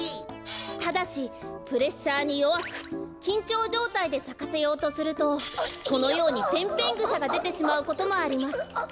ただしプレッシャーによわくきんちょうじょうたいでさかせようとするとこのようにペンペングサがでてしまうこともあります。